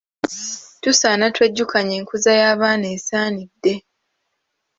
Tusaana twejjukanye enkuza y'abaana esaanidde.